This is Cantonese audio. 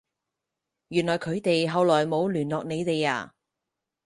原來佢哋後來冇聯絡你哋呀？